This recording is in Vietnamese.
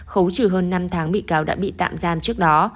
khấu trừ hơn năm tháng bị cáo đã bị tạm giam trước đó